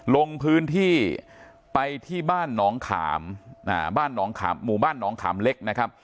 ลงพื้นที่ไปที่บ้านหนองขามบ้านหนองขามหมู่บ้านน้องขามเล็กนะครับ